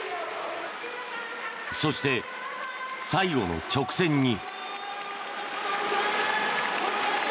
そして、最後の直線に。